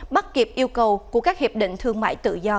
bắt kịp yêu cầu của các hiệp định thương mại tự do